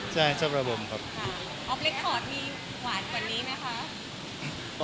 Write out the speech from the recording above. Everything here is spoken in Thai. ใช่ชอบระบมครับ